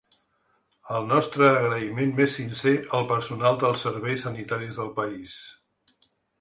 El nostre agraïment més sincer al personal dels serveis sanitaris del país.